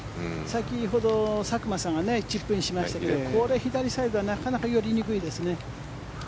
先ほど、佐久間さんがチップインしましたけどこれ、左サイドはなかなか寄りにくいですね。